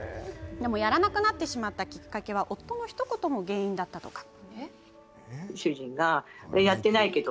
やらなくなった、きっかけは夫のひと言も原因だったとか。